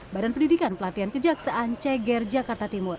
badan pendidikan pelatihan kejaksaan ceger jakarta timur